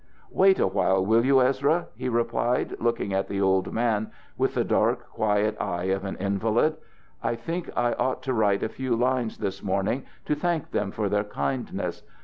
"Wait awhile, will you, Ezra?" he replied, looking at the old man with the dark, quiet eye of an invalid. "I think I ought to write a few lines this morning to thank them for their kindness.